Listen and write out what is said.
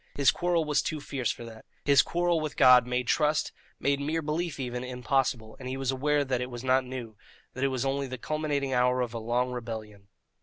His quarrel was too fierce for that. His quarrel with God made trust, made mere belief even, impossible, and he was aware that it was not new, that this was only the culminating hour of a long rebellion.